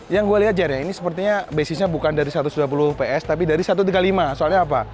yang gue lihat ajar ya ini sepertinya basisnya bukan dari satu ratus dua puluh ps tapi dari satu ratus tiga puluh lima soalnya apa